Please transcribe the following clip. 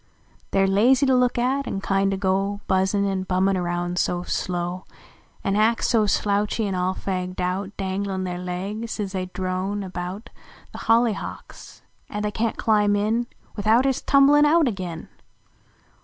/ re lazy to look at, an kindo go Buzzin an bummin aroun so slow, An ac so slouchy an all fagged out, Danglin their legs as they drone about The hollyhawks at they can t climb in Tthout ist a tumble un out agin